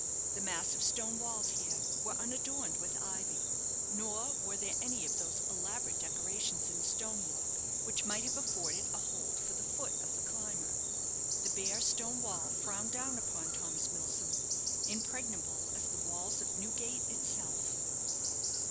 The massive stone walls here were unadorned with ivy, nor were there any of those elaborate decorations in stonework which might have afforded a hold for the foot of the climber. The bare stone wall frowned down upon Thomas Milsom, impregnable as the walls of Newgate itself.